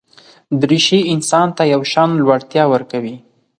دریشي انسان ته یو شان لوړتیا ورکوي.